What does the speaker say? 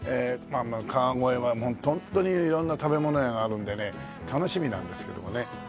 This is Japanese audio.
川越はホントに色んな食べ物屋があるんでね楽しみなんですけどもね。